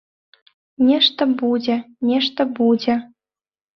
Нешта будзе, нешта будзе.